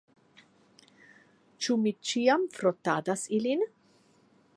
Ĉu mi ĉiam frotadas ilin?